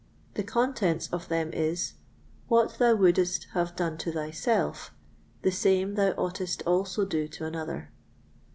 The contents of them is: "What thou wouldest have done to thyself, the same thou oughtest also to do to another."